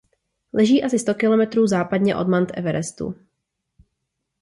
Leží asi sto kilometrů západně od Mount Everestu.